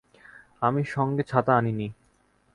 আমি সঙ্গে ছাতা আনি নি।